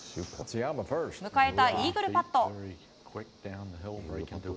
迎えたイーグルパット。